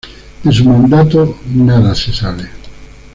De su mandato nada se sabe.